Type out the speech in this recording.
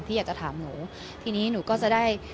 อยากจะถามหนูทีนี้หนูก็จะได้